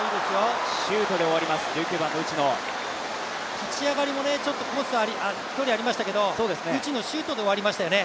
立ち上がりもちょっと距離がありましたけど、内野、シュートで終わりましたよね